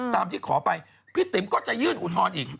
ที่ขอไปพี่ติ๋มก็จะยื่นอุทธรณ์อีก